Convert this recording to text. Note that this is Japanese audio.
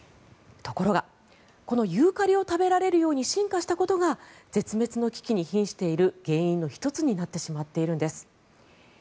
ところが、このユーカリを食べられるように進化したことが絶滅の危機にひんしている原因の１つになってしまっているんです。